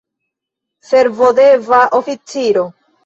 Servodeva oficiro.